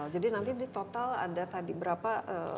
jadi nanti di total ada tadi berapa